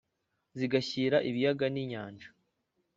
zigashyira ibiyaga ni nyanja.